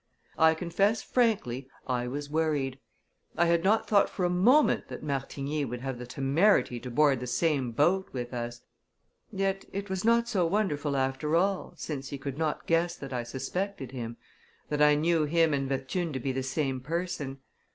I confess frankly I was worried. I had not thought for a moment that Martigny would have the temerity to board the same boat with us yet it was not so wonderful after all, since he could not guess that I suspected him, that I knew him and Bethune to be the same person.